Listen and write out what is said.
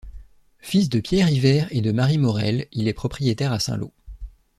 Fils de Pierre Yver et de Marie Morel, il est propriétaire à Saint-Lô.